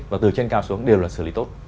và từ trên cao xuống đều là xử lý tốt